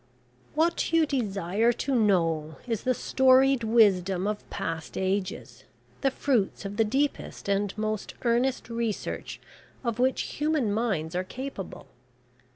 "What you desire to know is the storied wisdom of past ages, the fruits of the deepest and most earnest research of which human minds are capable.